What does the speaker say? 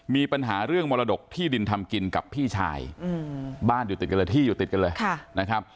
มีปัญหาเรื่องมรดกที่ดินทำกินกับพี่ชายบ้านอยู่ติดกันเลยที่อยู่ติดกันเลยนะครับ